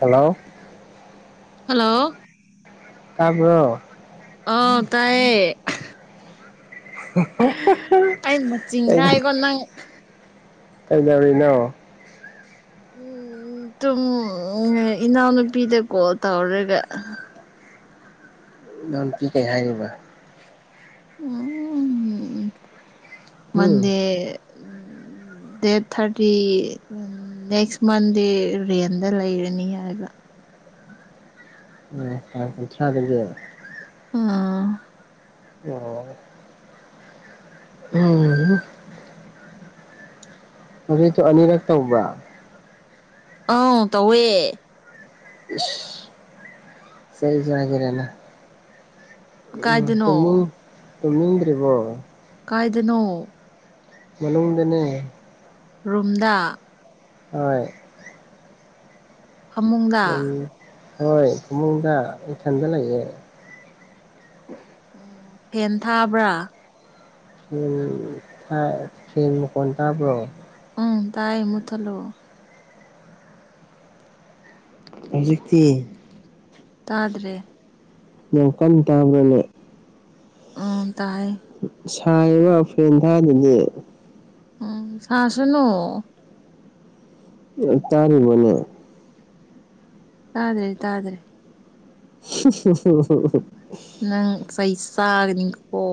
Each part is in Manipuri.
ꯍꯜꯂꯣ ꯍꯜꯂꯣ ꯇꯥꯕ꯭ꯔꯣ ꯑꯥ ꯇꯥꯏꯌꯦ ꯑꯩ ꯃꯨꯛ ꯆꯤꯡꯒꯥꯏ ꯀꯣ ꯅꯪ ꯀꯩꯗꯧꯔꯤꯅꯣ ꯎꯝ ꯇꯨꯝ ꯏꯅꯥꯎꯅꯨꯄꯤꯗꯀꯣꯜ ꯇꯧꯔꯒ ꯏꯅꯥꯎ ꯅꯨꯄꯤ ꯀꯩ ꯍꯥꯏꯕ ꯎꯝꯝ ꯍꯨꯝ ꯃꯟꯗꯦ ꯗꯦꯠ ꯊꯥꯔꯇꯤ ꯎꯝ ꯅꯦꯛꯁ ꯃꯟꯗꯦ ꯔꯦꯟꯗ ꯂꯩꯔꯅꯤ ꯍꯥꯏꯕ ꯇꯥꯡ ꯀꯨꯟꯊ꯭ꯔꯥꯗꯒꯤ ꯑꯥ ꯑꯣ ꯎꯝ ꯍꯝ ꯍꯧꯖꯤꯛ ꯁꯨ ꯑꯅꯤꯔꯛ ꯇꯧꯕ꯭ꯔ ꯑꯥꯎ ꯇꯧꯋꯦ ꯏꯁ ꯆꯩ ꯆꯥꯒꯦꯔ ꯅꯪ ꯀꯥꯏꯗꯅꯣ ꯇꯨꯅꯤꯡꯗ꯭ꯔꯤꯕꯣ ꯀꯥꯏꯗꯅꯣ ꯃꯅꯨꯡꯗꯅꯦ ꯔꯨꯝꯗ ꯍꯣꯏ ꯐꯃꯨꯡꯗ ꯎꯝ ꯍꯣꯏ ꯏꯃꯨꯡꯗ ꯏꯊꯟꯗ ꯂꯩꯌꯦ ꯎꯝ ꯐꯦꯟ ꯊꯥꯕ꯭ꯔꯥ ꯎꯝ ꯊꯥꯏ ꯐꯦꯟ ꯃꯈꯣꯟ ꯇꯥꯕ꯭ꯔꯣ ꯎꯝ ꯇꯥꯏ ꯃꯨꯊꯠꯂꯣ ꯍꯧꯖꯤꯛꯇꯤ ꯇꯥꯗ꯭ꯔꯦ ꯌꯥꯝ ꯀꯟ ꯇꯕ꯭ꯔꯥ ꯅꯦ ꯑꯝ ꯇꯥꯏ ꯁꯥꯏꯌꯦꯕ ꯐꯦꯟ ꯊꯥꯗ꯭ꯔꯗꯤ ꯎꯝ ꯁꯥꯁꯅꯣ ꯌꯥꯝ ꯇꯥꯔꯤꯕꯣꯅꯦ ꯇꯥ꯭ꯗꯔꯦ ꯇꯥꯗ꯭ꯔꯦ ꯍꯤ ꯍꯤ ꯅꯪ ꯆꯩ ꯆꯥꯒꯅꯤꯀꯣ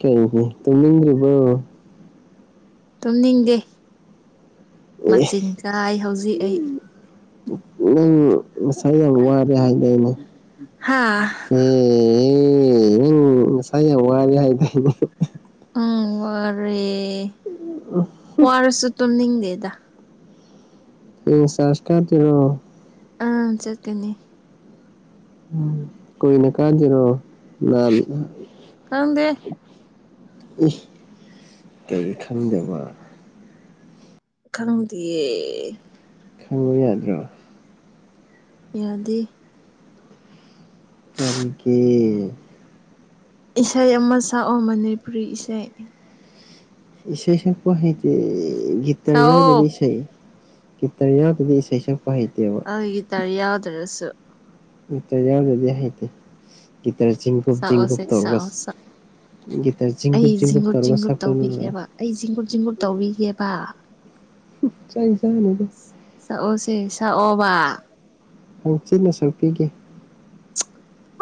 ꯀꯩꯒꯤ ꯇꯨꯝꯅꯤꯡꯗ꯭ꯔꯤꯕꯣ ꯇꯨꯝꯅꯤꯡꯗꯦ ꯑꯦ ꯃꯆꯤꯡ ꯀꯥꯏ ꯍꯧꯖꯤꯛ ꯑꯩ ꯅꯪ ꯉꯁꯥꯏ ꯌꯥꯝ ꯋꯥꯔꯦ ꯍꯥꯏꯗꯅꯦ ꯍꯥ ꯌꯦ ꯑꯝ ꯑꯝ ꯉꯁꯥꯏ ꯌꯥꯝ ꯋꯥꯔꯦ ꯍꯥꯏꯗꯥꯏꯅꯦ ꯎꯝ ꯋꯥꯔꯦ ꯋꯥꯔꯁꯨ ꯇꯨꯝꯅꯤꯡꯗꯦꯗ ꯍꯌꯦꯡ ꯆ꯭ꯔꯁ ꯀꯥꯗꯣꯏꯔꯣ ꯑꯝ ꯆꯠꯀꯅꯤ ꯀꯨꯏꯅ ꯀꯥꯗꯣꯏꯔꯣ ꯅꯥꯟ ꯈꯪꯗꯦ ꯏꯁ ꯀꯔꯤ ꯈꯪꯗꯕ ꯈꯪꯗꯤꯌꯦ ꯈꯪꯕ ꯌꯥꯗ꯭ꯔꯣ ꯌꯥꯗꯦ ꯀꯔꯤꯒꯤ ꯏꯁꯩ ꯑꯃ ꯁꯛꯑꯣ ꯃꯅꯤꯄꯨꯔꯤ ꯏꯁꯩ ꯏꯁꯩ ꯁꯛꯄ ꯍꯩꯇꯦ ꯒꯤꯇ꯭ꯔ ꯌꯥꯎꯗꯕ ꯁꯛꯑꯣ ꯏꯁꯩꯥ ꯒꯤꯇ꯭ꯔ ꯌꯥꯎꯗꯔꯗꯤ ꯏꯁꯩ ꯁꯛꯄ ꯍꯩ ꯑꯣꯏ ꯒꯤꯇꯔ ꯌꯥꯎꯗ꯭ꯔꯁꯨ ꯒꯤꯇꯔ ꯌꯥꯎꯗ꯭ꯔꯗꯤ ꯍꯩꯇꯦ ꯒꯤꯇꯔ ꯆꯤꯡꯒꯨꯞ ꯆꯤꯡꯒꯨꯞ ꯁꯛꯑꯣꯁꯦ ꯇꯧꯔꯒ ꯁꯛꯑꯣ ꯁꯛ ꯒꯤꯇꯔ ꯑꯩ ꯆꯤꯡꯒꯨꯞ ꯆꯤꯡꯒꯨꯞ ꯖꯤꯡꯒꯨꯞ ꯇꯧꯔꯒ ꯖꯤꯡꯒꯨꯞ ꯁꯛꯄꯗꯨꯅ ꯇꯧꯕꯤꯒꯦꯕ ꯑꯩ ꯖꯤꯡꯒꯨꯞ ꯖꯤꯡꯒꯨꯞ ꯇꯧꯕꯤꯒꯦꯕ ꯆꯥꯛ ꯆꯥꯅꯤꯗ ꯁꯛꯑꯣꯁꯦ ꯁꯛꯑꯣꯕ ꯑꯧ ꯆꯤꯟꯅ ꯁꯛꯄꯤꯒꯦ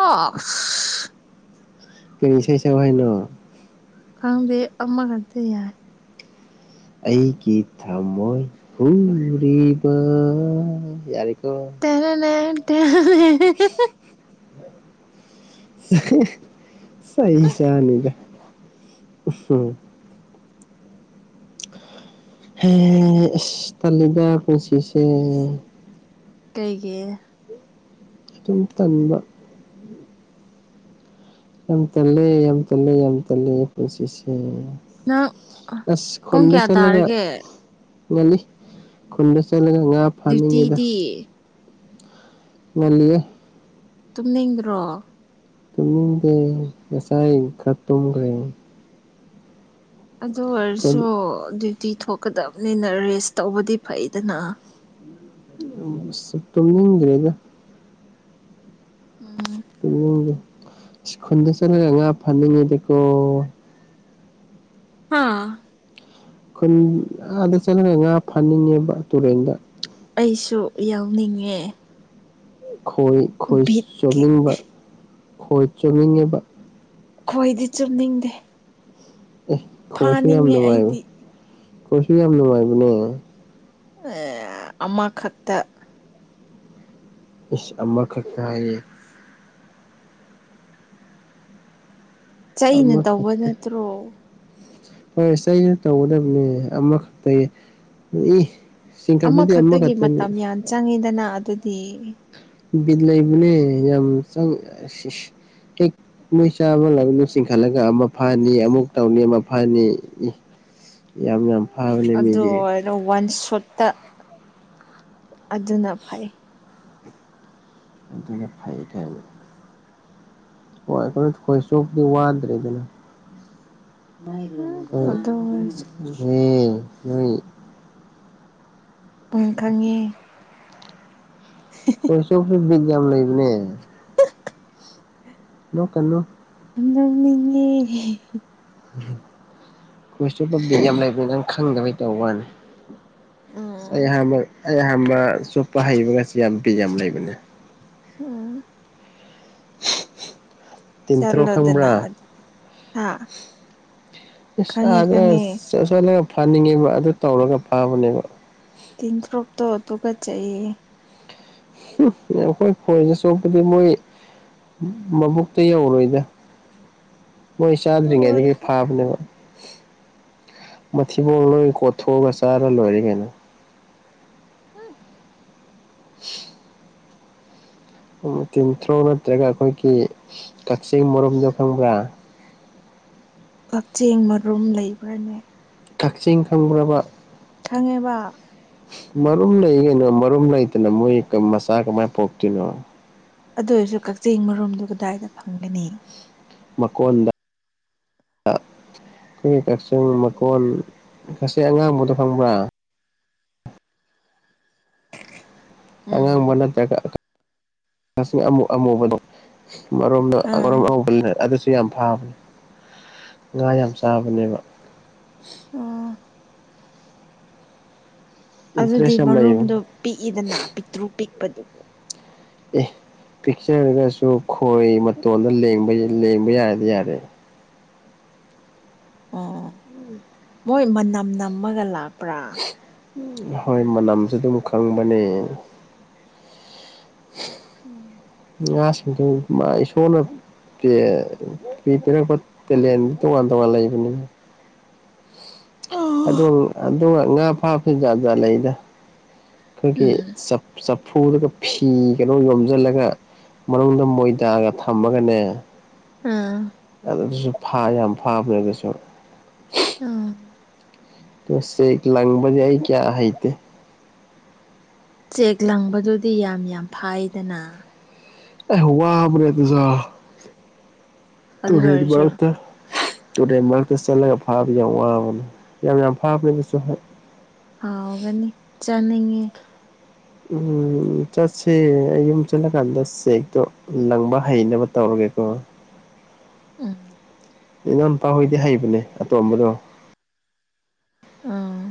ꯑꯁ ꯀꯩ ꯏꯁꯩ ꯁꯛꯑꯣ ꯍꯥꯏꯅꯣ ꯈꯪꯗꯦ ꯑꯃꯀꯛꯇ ꯌꯥꯏ ꯑꯩꯒꯤ ꯊꯃꯣꯏ ꯍꯨꯔꯤꯕ ꯌꯥꯔꯦ ꯇꯦꯅꯦꯅꯦ ꯇꯦꯅꯦꯅꯦ ꯆꯩ ꯆꯩ ꯆꯥꯅꯤꯗ ꯍꯦ ꯑꯁ ꯇꯜꯂꯦꯗꯥ ꯄꯨꯟꯁꯤꯁꯦ ꯀꯩꯒꯤ ꯑꯗꯨꯨꯝ ꯇꯟꯕ ꯌꯥꯝ ꯇꯜꯂꯦ ꯌꯥꯝ ꯇꯜꯂꯦ ꯌꯥꯝ ꯇꯜꯂꯦ ꯄꯨꯟꯁꯤꯁꯦ ꯅꯪ ꯑꯁ ꯄꯨꯡ ꯈꯨꯟꯗ ꯀꯌꯥ ꯆꯠꯂꯒ ꯇꯥꯔꯒꯦ [unintelligible] ꯈꯨꯟꯗ ꯆꯠꯂꯒ ꯉꯥ ꯐꯥꯅꯤꯡꯉꯤꯗ ꯗ꯭ꯌꯨꯇꯤꯗꯤ ꯉꯟꯂꯤꯌꯦ ꯇꯨꯝꯅꯤꯡꯗ꯭ꯔꯣ ꯇꯨꯝꯅꯤꯡꯗꯦ ꯉꯁꯥꯏ ꯈꯔ ꯇꯨꯝꯒ꯭ꯔꯦ ꯑꯗꯨ ꯑꯣꯏꯔꯁꯨ ꯗ꯭ꯌꯨ ꯇꯤ ꯊꯣꯛꯀꯗꯕꯅꯤꯅ ꯔꯦꯁ ꯇꯧꯕꯗꯤ ꯐꯩꯗꯅ ꯇꯨꯝꯁꯨ ꯇꯨꯝꯅꯤꯡꯗ꯭ꯔꯤꯗ ꯎꯝ ꯇꯨꯝꯅꯤꯡꯗꯦ ꯁ ꯈꯨꯨꯟꯗ ꯆꯠꯂꯒ ꯉꯥ ꯐꯥꯅꯤꯡꯉꯦꯗꯀꯣ ꯍꯥ ꯈꯨꯟ ꯑꯥꯗ ꯆꯠꯂꯒ ꯉꯥ ꯐꯅꯤꯡꯉꯦꯕ ꯇꯨꯔꯦꯟꯗ ꯑꯩꯁꯨ ꯌꯥꯎꯅꯤꯡꯉꯦ ꯈꯣꯏ ꯈꯣꯏ ꯕꯤꯠꯀꯤ ꯆꯣꯞꯅꯤꯡꯕ ꯈꯣꯏ ꯆꯣꯞꯅꯤꯡꯉꯦꯕꯥ ꯈꯣꯏꯗꯤ ꯆꯨꯞꯅꯤꯡꯗꯦ ꯑꯦ ꯈꯣꯏꯁꯨ ꯌꯥꯝ ꯅꯨꯡꯉꯥꯏ ꯑꯩꯗꯤ ꯈꯣꯏꯁꯨ ꯌꯥꯝ ꯅꯨꯡꯉꯥꯏꯕꯅꯦ ꯑꯦ ꯑꯃ ꯈꯛꯇ ꯏꯁ ꯑꯃ ꯈꯛꯀ ꯍꯥꯏꯌꯦ ꯆꯩꯩꯅ ꯇꯧꯕ ꯑꯃꯈꯛꯇ ꯅꯠꯇ꯭ꯔꯣ ꯍꯣꯏ ꯆꯩꯅ ꯇꯧꯒꯗꯕꯅꯦ ꯑꯃꯈꯛꯇ ꯑꯦ ꯏ ꯆꯤꯡꯈꯠꯄꯗꯤ ꯑꯃꯈꯛꯇꯒꯤ ꯑꯃꯈꯛꯇꯅꯤ ꯃꯇꯝ ꯌꯥꯝ ꯆꯪꯉꯤꯗꯅꯥ ꯑꯗꯨꯗꯤ ꯕꯤꯠ ꯂꯩꯕꯅꯦ ꯌꯥꯝ ꯆꯪ ꯏꯁ ꯏꯁ ꯍꯦꯛ ꯅꯣꯏ ꯆꯥꯕ ꯂꯪꯗꯣ ꯆꯤꯡꯈꯠꯂꯒ ꯑꯃ ꯐꯥꯅꯤ ꯑꯃꯨꯛ ꯇꯧꯅꯤ ꯑꯃ ꯐꯥꯅꯤ ꯑꯦ ꯌꯥꯝ ꯌꯥꯝ ꯐꯥꯕꯅꯦ ꯑꯗꯨ ꯃꯤꯗꯤ ꯑꯣꯏꯔꯣ ꯋꯥꯟ ꯁꯣꯠꯇ ꯑꯗꯨꯅ ꯐꯩ ꯑꯗꯨꯅ ꯐꯩ ꯀꯥꯏꯅ ꯍꯣꯏ ꯈꯣꯏ ꯆꯣꯞꯄꯗꯤ ꯋꯥꯗ꯭ꯔꯦꯗꯅꯥ ꯑꯗꯨ ꯑꯣꯏꯔꯁꯨ ꯍꯦ ꯅꯣꯏ ꯄꯨꯡ ꯈꯪꯉꯦ ꯈꯣꯏ ꯆꯣꯞꯄꯤ ꯕꯗꯤ ꯕꯤꯠ ꯌꯥꯝ ꯂꯩꯕꯅꯦ ꯅꯣꯛꯀꯅꯨ ꯅꯣꯛꯅꯤꯡꯉꯦ ꯈꯣꯏ ꯆꯣꯞꯄ ꯕꯤꯠ ꯌꯥꯝ ꯂꯩꯕꯅꯤ ꯅꯪ ꯈꯪꯗꯕꯩ ꯇꯧꯕ ꯋꯥꯅꯤ ꯑꯩ ꯎꯝ ꯑꯍꯥꯟꯕ ꯑꯩ ꯑꯍꯥꯟꯕ ꯆꯨꯞꯄ ꯍꯩꯕꯒꯁꯦ ꯕꯤꯠ ꯌꯥꯝ ꯂꯩꯕꯅꯦ ꯑꯣ ꯇꯤꯟꯊ꯭ꯔꯣꯛ ꯆꯠꯂꯣꯗꯅ ꯈꯪꯕ꯭ꯔꯥ ꯑꯗꯨꯗꯤ ꯍꯥ ꯈꯪꯉꯦ ꯏꯁꯥꯗ ꯈꯪꯉꯦ ꯆꯠ ꯆꯠꯂꯒ ꯐꯥꯅꯤꯡꯉꯦꯕ ꯑꯗꯨ ꯇꯧꯔꯒ ꯐꯥꯕꯅꯦꯕꯥ ꯇꯤꯟ ꯊ꯭ꯔꯣꯛꯇꯣ ꯇꯨꯒꯠꯆꯩꯌꯦ ꯍꯦ ꯅꯪ ꯈꯣꯏ ꯈꯣꯏꯖꯦ ꯆꯣꯞꯄꯗꯤ ꯃꯣꯏ ꯃꯕꯨꯛꯇ ꯌꯧꯔꯣꯏꯗ ꯃꯣꯏ ꯑꯗꯨ ꯆꯥꯗ꯭ꯔꯤꯉꯩꯗꯒꯤ ꯑꯣꯏꯔꯁꯨ ꯐꯥꯕꯅꯦꯕ ꯃꯊꯤꯕꯣꯡ ꯂꯣꯏꯅ ꯀꯣꯠꯊꯣꯛꯑꯒ ꯆꯥꯥꯔ ꯂꯣꯏꯔꯦ ꯀꯩꯅꯣ ꯍꯝ [inaudible] ꯇꯤꯟꯊ꯭ꯔꯣꯛ ꯅꯠꯇ꯭ꯔꯒ ꯑꯈꯣꯏꯒꯤ ꯀꯛꯆꯦꯡ ꯃꯔꯨꯝꯗꯣ ꯈꯪꯕ꯭ꯔꯥ ꯀꯛꯆꯦꯡ ꯃꯔꯨꯝ ꯂꯩꯕ꯭ꯔꯅꯦ ꯀꯛꯆꯦꯡ ꯈꯪꯕ꯭ꯔꯕ ꯈꯪꯉꯦꯕꯥ ꯃꯔꯨꯝ ꯂꯩ ꯌꯦ ꯀꯩꯅꯣ ꯃꯔꯨꯝ ꯂꯩꯇꯅ ꯃꯣꯏ ꯃꯆꯥ ꯀꯃꯥꯏ ꯄꯣꯛꯇꯣꯏꯅꯣ ꯑꯗꯨ ꯑꯣꯏꯖꯨ ꯀꯛꯆꯦꯡ ꯃꯔꯨꯝꯝꯗꯣ ꯀꯗꯥꯏꯗ ꯐꯪꯒꯅꯤ ꯃꯀꯣꯟꯗ ꯑꯥ ꯑꯈꯣꯏꯒꯤ ꯀꯛꯆꯦꯡ ꯎꯝ ꯃꯀꯣꯟ ꯉꯁꯤ ꯑꯉꯥꯡꯕꯗꯣ ꯈꯪꯕ꯭ꯔꯥ ꯎꯝ ꯑꯉꯥꯡꯕ ꯅꯠꯇ꯭ꯔꯒ ꯀꯛꯆꯦꯡ ꯑꯃꯨ ꯑꯃꯨꯕꯗꯣ ꯃꯔꯣꯝꯗꯣ ꯑꯥ [unintelligible] ꯨ ꯌꯥꯝ ꯐꯥꯕꯅꯦ ꯉꯥ ꯌꯥꯝ ꯆꯥꯕꯅꯦꯕ ꯑꯣ ꯑꯗꯨꯗꯤ ꯏꯟꯇꯔꯦꯁ ꯌꯥꯝ ꯂꯩꯕꯅꯦ ꯃꯔꯨꯝꯗꯣ ꯄꯤꯛꯏꯗꯅ ꯄꯤꯛꯇ꯭ꯔꯨ ꯄꯤꯛꯄꯗꯨ ꯑꯦ ꯄꯤꯛꯆꯔꯒꯁꯨ ꯈꯣꯏ ꯃꯇꯣꯟꯗ ꯂꯦꯡꯕ ꯌꯥꯔꯗꯤ ꯌꯥꯔꯦ ꯑꯣ ꯎꯝ ꯃꯣꯏ ꯃꯅꯝ ꯅꯝꯃꯒ ꯂꯥꯛꯄ꯭ꯔꯥ ꯍꯣꯏ ꯃꯅꯝꯁꯨ ꯑꯗꯨꯝ ꯈꯪꯕꯅꯦ ꯎꯝ ꯉꯥꯁꯤꯡꯗꯨ ꯃꯥꯏ ꯏꯁꯣꯔꯅ ꯇꯦꯂꯦꯟꯠ ꯇꯣꯉꯥꯟ ꯇꯣꯉꯥꯟ ꯂꯩꯕꯅꯦ ꯑꯗꯨ ꯎꯝ ꯑꯗꯨꯒ ꯉꯥ ꯐꯥꯕꯁꯤꯁꯨ ꯖꯥꯠ ꯖꯥꯠ ꯂꯩꯗ ꯈꯣꯏꯒꯤ ꯆꯞ ꯆꯞ ꯐꯨꯔꯒ ꯐꯤ ꯀꯩꯅꯣ ꯌꯣꯝꯁꯤꯜꯂꯒ ꯃꯅꯨꯡꯗ ꯃꯣꯏꯗꯥꯒ ꯊꯝꯃꯒꯅꯦ ꯑꯥ ꯑꯗꯨꯁꯨ ꯐꯥ ꯌꯥꯝ ꯐꯕꯅꯦ ꯑꯗꯨꯁꯨ ꯑꯥ ꯂꯪꯕꯗꯤ ꯑꯩ ꯀꯌꯥ ꯍꯩꯇꯦ ꯆꯦꯛ ꯂꯪꯕꯗꯨꯗꯤ ꯌꯥꯝ ꯌꯥꯝ ꯐꯥꯏꯗꯅ ꯑꯦ ꯋꯥꯕꯅꯦ ꯑꯗꯨꯖꯣ ꯑꯗꯨ ꯇꯨꯔꯦꯜ ꯑꯣꯏꯔꯁꯨ ꯃꯔꯛꯇ ꯇꯨꯔꯦꯜ ꯃꯔꯛꯇ ꯆꯠꯂꯒ ꯐꯥꯕ ꯌꯥꯝ ꯋꯥꯕꯅꯤ ꯌꯥꯝ ꯌꯥꯝ ꯐꯥꯕꯅꯦꯁꯨ ꯍꯦꯛ ꯍꯥꯎꯒꯅꯤ ꯆꯅꯤꯡꯌꯦ ꯎꯝ ꯆꯠꯁꯦ ꯑꯩ ꯌꯨꯝ ꯆꯠꯂꯀꯥꯟꯗ ꯆꯦꯛꯇꯣ ꯂꯪꯕ ꯍꯩꯅꯕ ꯇꯧꯔꯒꯦ ꯀꯣ ꯎꯝ ꯏꯅꯥꯎ ꯅꯨꯨꯄꯥ ꯍꯣꯏꯗꯤ ꯍꯩꯕꯅꯦ ꯑꯇꯣꯝꯕꯗꯣ ꯑꯥ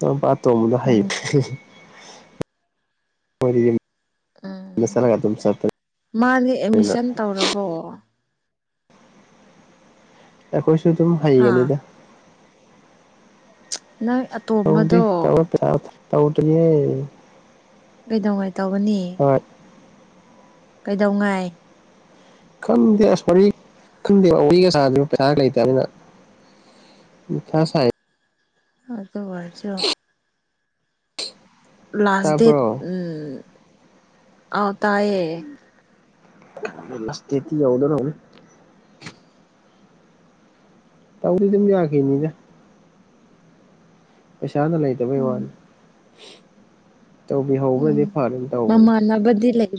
ꯏꯅꯥꯎꯄ ꯑꯇꯣꯝꯕꯗꯣ ꯈꯪꯗꯦ ꯍꯥꯏꯕꯅꯦ ꯎꯝ ꯃꯥꯅꯦ ꯑꯦꯠꯃꯤꯁꯟ ꯇꯧꯔꯕꯣ ꯑꯈꯣꯢꯁꯨ ꯑꯗꯨꯝ ꯑꯥ ꯍꯩꯒꯅꯤꯗ ꯅꯪ ꯇꯩꯗ꯭ꯔꯤ ꯑꯇꯣꯝꯕꯗꯣ ꯇꯧꯔꯣꯏ ꯄꯩꯁꯥ ꯂꯩꯇꯦ ꯇꯧꯗ꯭ꯔꯤꯌꯦ ꯀꯩꯗꯧꯉꯥꯏ ꯇꯧꯒꯅꯤ ꯍꯣꯏ ꯀꯩꯗꯧꯉꯥꯏ ꯈꯪꯗꯦ ꯑꯁ ꯋꯥꯔꯤ ꯈꯪꯗꯦ ꯋꯥꯔꯤꯒ ꯁꯥꯅꯗꯧ ꯄꯩꯁꯥ ꯂꯩꯇꯕꯅꯤꯅ ꯃꯊꯥ ꯁꯥꯏ ꯑꯗꯨ ꯑꯣꯢꯔꯁꯨ ꯂꯥꯁ ꯗꯦꯠ ꯇꯥꯕ꯭ꯔꯣ ꯑꯥꯎ ꯇꯥꯏꯌꯦ ꯂꯥꯁ ꯗꯦꯇꯤ ꯌꯥꯎꯗꯣꯔꯦ ꯇꯧꯗꯤ ꯑꯗꯨꯝ ꯎꯝ ꯌꯥꯈꯤꯅꯤꯗ ꯄꯩꯁꯥꯅ ꯂꯩꯇꯕꯩ ꯋꯥꯅꯤ ꯇꯧꯕꯤꯍꯧꯕꯗꯤ ꯐꯔꯦꯅ ꯇꯧꯕꯅꯤ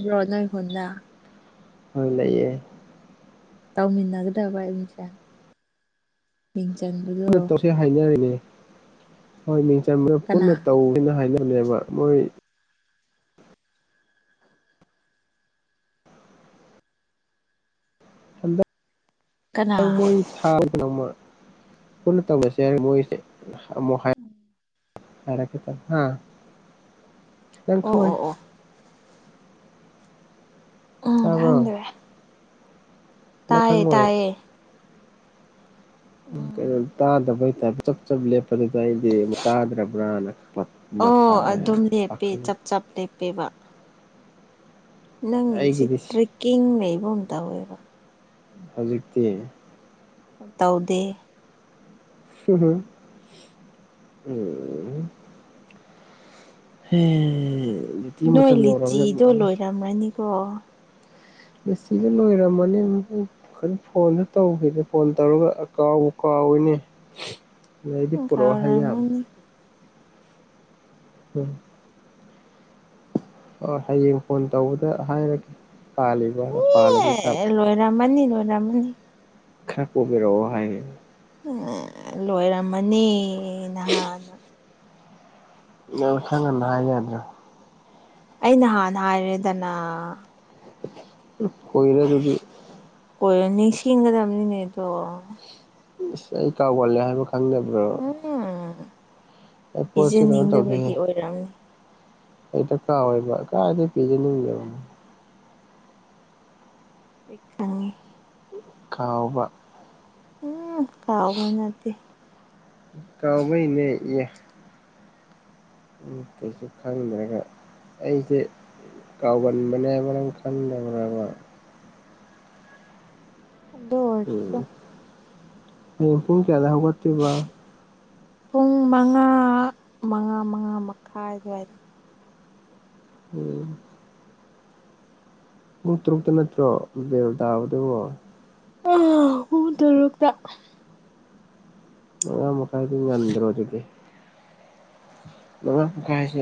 ꯕ꯭ꯔꯣ ꯅꯣꯢ ꯈꯨꯟꯗ ꯍꯣꯢ ꯂꯩꯌꯦ ꯇꯧꯃꯤꯟꯅ ꯒꯗꯕ ꯃꯤꯁꯦ ꯃꯤꯡ ꯆꯟꯕꯗꯣ ꯄꯨꯟꯅ ꯇꯧꯁꯤ ꯍꯥꯏꯅꯔꯤꯅꯦ ꯍꯣꯏ ꯃꯤꯡ ꯆꯟꯕ ꯀꯅꯥ ꯄꯨꯟꯅ ꯇꯧꯁꯤꯅ ꯍꯥꯏꯅ ꯑꯗꯨꯅꯦꯕ ꯃꯣꯏ ꯍꯟꯗꯛ ꯀꯅꯥ ꯃꯣꯏ ꯊꯥ ꯅꯣꯡꯃ ꯄꯨꯟꯅ ꯇꯧꯃꯤꯅꯁꯦ ꯍꯥꯏꯔ ꯃꯣꯏꯁꯦ ꯑꯃꯨꯛ ꯍꯥꯏꯔ ꯍꯥ ꯑꯣ ꯑꯗꯨꯈꯣꯏ [unintelligible] ꯑꯣ ꯑꯣ ꯎꯝ ꯇꯕ꯭ꯔꯣ ꯈꯪꯗ꯭ꯔꯦ ꯇꯥꯏꯌꯦ ꯇꯥꯏꯌꯦ ꯎ ꯎꯝ ꯀꯩꯅꯣ ꯇꯥꯗꯕꯩ ꯇꯥꯏꯞꯇ ꯆꯞ ꯆꯞ ꯂꯦꯞꯄꯗꯨꯗ ꯑꯩꯗꯤ ꯇꯥꯗ꯭ꯔꯕ꯭ꯔꯥꯅ ꯑꯣ ꯑꯗꯨꯝ ꯂꯦꯞꯄꯦ ꯆꯞ ꯆꯞ ꯂꯦꯞꯄꯦꯕ ꯅꯪꯒꯤꯁꯤ ꯑꯩꯒꯤꯗꯤ ꯇ꯭ꯔꯦꯛꯀꯤꯡ ꯂꯩꯕ ꯑꯃ ꯇꯧꯋꯦꯕ ꯍꯧꯖꯤꯛꯇꯤ ꯇꯧꯗꯦ [inaudible] ꯍꯩ ꯅꯣꯏ ꯂꯤꯆꯤꯗꯣ ꯂꯣꯏꯔꯝꯃꯅꯤꯀꯣ ꯑ ꯁꯤꯗ ꯂꯣꯏꯔꯝꯃꯅꯤ ꯑ ꯈꯔ ꯐꯣꯟꯁꯨ ꯇꯧꯈꯤꯗꯦ ꯐꯣꯟ ꯇꯧꯔꯒ ꯀꯥꯎꯕ ꯀꯥꯎ ꯀꯥꯎꯏꯅꯦ ꯄꯣꯔꯛꯑꯣ ꯍꯥꯏ ꯌꯥꯝꯃꯦ ꯀꯥꯎꯔꯝꯃꯅꯤ ꯎꯝ ꯍꯣꯏ ꯍꯌꯦꯡ ꯐꯣꯟ ꯇꯧꯕꯗ ꯍꯥꯏꯔꯒꯦ ꯄꯥꯂꯤꯕ ꯄꯥꯜꯂꯗꯤ ꯑꯦ ꯈꯕ [unintelligible] ꯈꯔ ꯄꯨꯕꯤꯔꯣꯛ ꯑꯣ ꯍꯥꯏ ꯑꯦ ꯂꯣꯏꯔꯝꯃꯅꯤ ꯅꯍꯥꯟꯅ ꯅꯪ ꯈ꯭ꯔ ꯉꯟꯅ ꯍꯥꯏ ꯌꯥꯗ꯭ꯔꯣ ꯑꯩ ꯅꯍꯥꯟꯅ ꯍꯥꯏꯔꯦꯗꯅ ꯀꯣꯏꯔꯦ ꯑꯗꯨꯗꯤ ꯀꯣꯏꯅꯤ ꯁꯤꯟꯒꯗꯅꯤ ꯑꯗꯣ ꯁ ꯑꯩ ꯀꯥꯎꯒꯜ ꯂꯦ ꯍꯥꯏꯕ ꯈꯪꯗꯕ꯭ꯔꯣ [unintelligible] ꯄꯤꯖꯅꯤꯡꯗꯕꯒꯤ ꯑꯣꯏꯔꯝꯅꯤ [unintelligible] ꯍꯦꯛꯇ ꯀꯥꯎꯋꯦꯕ ꯀꯥꯏꯗꯩ [unintelligible] ꯑꯩ ꯈꯪꯉꯦ ꯀꯥꯎꯕ ꯎꯝ ꯀꯥꯎꯕ ꯅꯠꯇꯦ ꯀꯥꯎꯕꯩꯅꯦ ꯑꯦ ꯎ ꯀꯩꯁꯨ ꯈꯪꯗ꯭ꯔꯒ ꯑꯩꯁꯦ ꯀꯥꯎꯕꯥꯟꯕꯅꯦ ꯅꯪ ꯈꯪꯗꯕ꯭ꯔꯕ ꯑꯗꯨ ꯎꯝ ꯑꯣꯏꯔꯁꯨ ꯄꯨꯡ ꯀꯌꯥꯗ ꯍꯧꯒꯠꯇꯣꯏꯕ ꯄꯨꯡ ꯃꯉꯥ ꯃꯉꯥ ꯃꯉꯥ ꯃꯈꯥꯏ ꯑꯗꯨꯋꯥꯏꯗ ꯎꯝ ꯄꯨꯡ ꯇꯔꯨꯛꯇ ꯅꯠꯇ꯭ꯔꯣ ꯕꯦꯜꯇꯥꯕꯗꯨꯕꯨ ꯑ ꯄꯨꯡ ꯇꯔꯨꯛꯇ ꯃꯉꯥꯏ ꯃꯈꯥꯏꯗꯤ ꯉꯟꯗꯔꯣ ꯑꯗꯨꯗꯤ ꯃꯉꯥ ꯃꯈꯥꯏꯁꯦ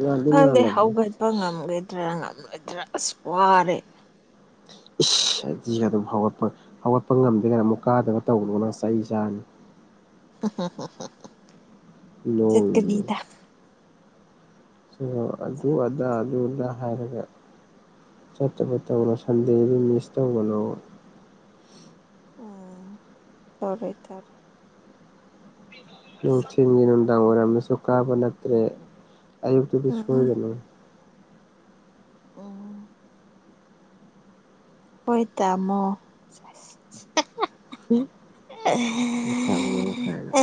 ꯉꯥꯟꯗꯤ ꯈꯪꯗꯦ ꯉꯥꯜꯂꯕꯅꯤ ꯍꯧꯒꯠꯄ ꯉꯝꯒꯗ꯭ꯔꯥ ꯉꯝꯂꯣꯏꯗ꯭ꯔꯥ ꯑꯁ ꯋꯥꯔꯦ ꯏꯁ ꯑꯩꯗꯤ ꯑꯗꯨꯝ ꯍꯧꯒꯠꯄ ꯍꯧꯒꯠꯄ ꯉꯝꯗꯦꯅ ꯑꯃꯨꯛ ꯀꯥꯗꯕ ꯇꯧꯒꯅꯨ ꯅꯪ ꯆꯩ ꯆꯥꯅꯤ [unintelligible] ꯅꯣꯏꯅꯦ ꯆꯠꯀꯅꯤꯗ ꯑꯣ ꯑꯗꯨ ꯑꯗꯥ ꯆꯠꯀꯅꯤ ꯑꯗꯨ ꯑꯗꯥ ꯍꯥꯏꯔꯒ ꯆꯠꯇꯕ ꯇꯧꯅꯣ ꯁꯟꯗꯦꯗꯤ ꯃꯤꯁ ꯇꯧꯒꯅꯣ ꯑꯥ ꯇꯧꯔꯣꯏ ꯇꯧꯔꯣꯏ ꯅꯨꯡꯊꯤꯟꯒꯤ ꯅꯨꯡꯗꯥꯡ ꯋꯥꯏꯏꯔꯝꯗꯁꯨ ꯀꯥꯕ ꯅꯠꯇ꯭ꯔꯦ ꯑꯌꯨꯞꯇꯗꯤ ꯁꯣꯏꯒꯅꯨ ꯑꯝ ꯍꯣꯏ ꯇꯥꯃꯣ ꯁꯦꯁ ꯍꯣꯏ ꯇꯥꯃꯣ ꯀꯥꯏꯅ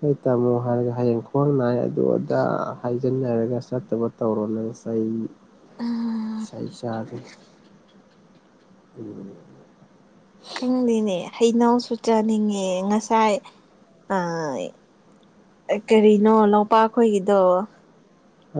ꯍ ꯇꯥꯝꯃꯣ ꯍꯥꯏꯔꯒ ꯍꯌꯦꯡ ꯈ꯭ꯋꯥꯡ ꯅꯥꯏ ꯑꯗꯨ ꯑꯗ ꯍꯥꯏꯖꯤꯟꯅꯔꯒ ꯆꯠꯇꯕ ꯇꯧꯔꯥ ꯅꯣ ꯆꯩ ꯁꯩ ꯆꯥꯅꯤ ꯎꯝ ꯈꯪꯗꯦꯅꯦ ꯍꯩꯅꯧꯁꯨ ꯆꯥꯅꯤꯡꯉꯦ ꯉꯁꯥꯏ ꯑꯥ ꯀꯔꯤꯅꯣ ꯂꯧꯄꯥ ꯈꯣꯏꯒꯤꯗꯣ